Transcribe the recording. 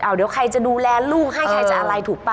เดี๋ยวใครจะดูแลลูกให้ใครจะอะไรถูกป่